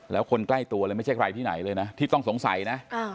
แล้วคนใกล้ตัวเลยไม่ใช่ใครที่ไหนเลยนะที่ต้องสงสัยนะ